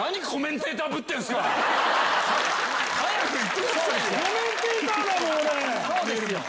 早く言ってくださいよ！